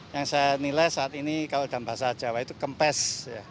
yang saya nilai saat ini kalau dalam bahasa jawa itu kempes